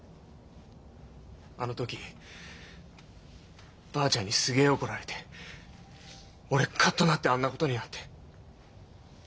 あの時ばあちゃんにすげえ怒られて俺カッとなってあんなことになって。